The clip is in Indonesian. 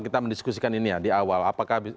kita mendiskusikan ini ya di awal apakah